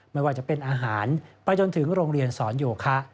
ไม่ว่าจะเป็นอาหารไปจนถึงโรงเรียนสอนโยคะ